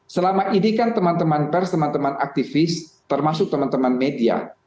selama ini kan teman teman pers teman teman aktivis termasuk teman teman media